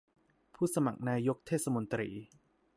ผู้สมัครนายกเทศมนตรี